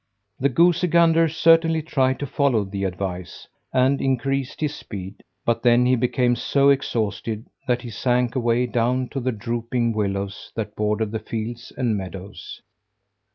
The goosey gander certainly tried to follow the advice, and increase his speed; but then he became so exhausted that he sank away down to the drooping willows that bordered the fields and meadows.